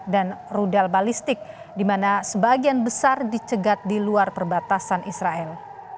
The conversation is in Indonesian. dan rudal balistik di mana sebagian besar dikegat di luar perbatasan israel